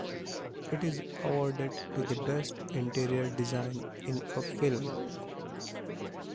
It is awarded to the best interior design in a film.